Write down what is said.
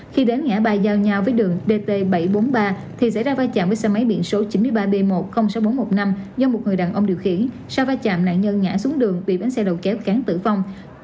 khi đến ngã ba giao nhau với đường dt bảy trăm bốn mươi ba thì xảy ra va chạm với xe máy biển số chín mươi ba b một mươi sáu nghìn bốn trăm một mươi năm do một người đàn ông điều khiển sau va chạm nạn nhân ngã xuống đường bị bến xe đầu kéo cán tử vong